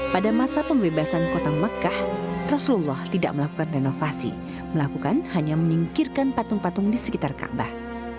pada masa pembebasan kota mekah rasulullah tidak melakukan renovasi melakukan hanya menyingkirkan patung patung di sekitar kaabah